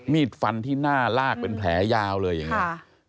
มีดฟันที่หน้าลากเป็นแผลยาวเลยอย่างนี้